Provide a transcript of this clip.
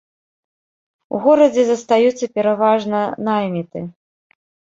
У горадзе застаюцца пераважна найміты.